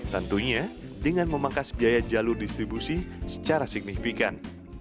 tentunya dengan memangkas biaya jalur distribusi secara signifikan